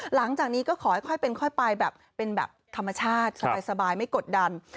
หลังจากนี้ก็ขอให้ค่อยเป็นค่อยไปแบบเป็นแบบธรรมชาติสบายไม่กดดัน